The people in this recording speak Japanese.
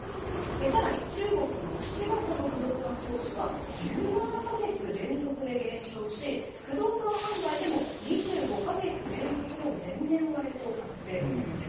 更に、中国の７月の不動産投資は１７か月連続で減少し不動産販売でも２５か月連続の前年割れとなっているんです。